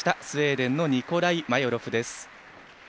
スウェーデンのニコライ・マヨロフです。